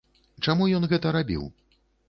Чаму ён гэта рабіў?